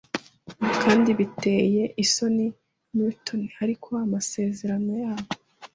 kandi biteye isoni Milton Ariko amasezerano yabo